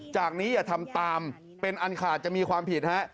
จากนี้อย่าทำตามเป็นอันขาดจะมีความผิดฮะ